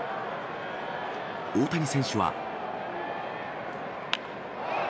大谷選手は。